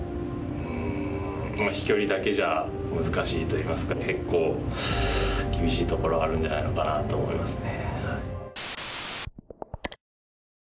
うーん飛距離だけじゃ難しいといいますか結構厳しいところはあるんじゃないのかなと思いますね。